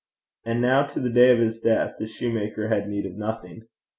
And now to the day of his death, the shoemaker had need of nothing.